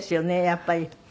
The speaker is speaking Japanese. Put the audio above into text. やっぱり。